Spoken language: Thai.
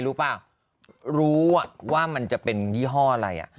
ป่ะรู้ว่ามันจะเป็นยี่ห้ออะไร